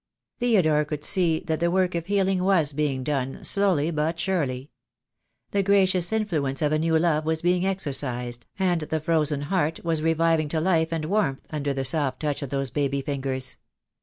Theodore could see that the work of healing was being done, slowly but surely. The gracious influence of a new love was being exercised, and the frozen heart was reviving to life and warmth under the soft touch of those baby fingers.